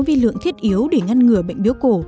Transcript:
vi lượng thiết yếu để ngăn ngừa bệnh biếu cổ